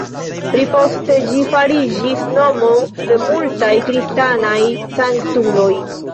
Pli poste ĝi fariĝis nomo de multaj kristanaj sanktuloj.